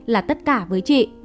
là tất cả với chị